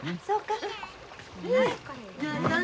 そうか。